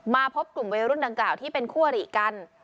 พบกลุ่มวัยรุ่นดังกล่าวที่เป็นคั่วหรี่กัน